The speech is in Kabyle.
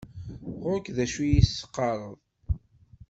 Γur-k d acu i as-teqqareḍ.